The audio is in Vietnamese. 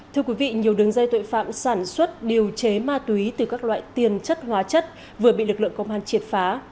thưa quý vị nhiều đường dây tội phạm sản xuất điều chế ma túy từ các loại tiền chất hóa chất vừa bị lực lượng công an triệt phá